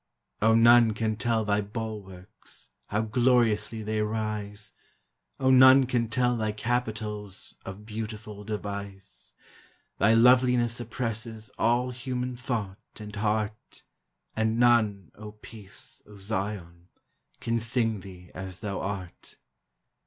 O none can tell thy bulwarks, How gloriously they rise! O none can tell thy capitals Of beautiful device! Thy loveliness oppresses All human thought and heart; And none, O peace, O Zion, Can sing thee as thou art!